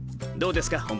どうですか？